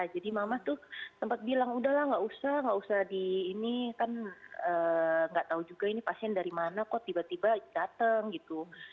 jadi mamah tuh sempat bilang udahlah nggak usah nggak usah di ini kan nggak tahu juga ini pasien dari mana kok tiba tiba datang gitu